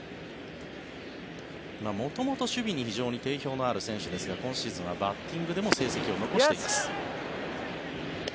元々、守備に非常に定評のある選手ですが今シーズンはバッティングでも成績を残しています。